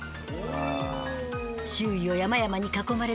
周囲を山々に囲まれた津山市。